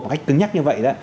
một cách cứng nhắc như vậy đó